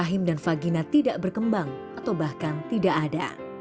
rahim dan vagina tidak berkembang atau bahkan tidak ada